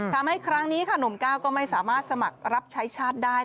ครั้งนี้ค่ะหนุ่มก้าวก็ไม่สามารถสมัครรับใช้ชาติได้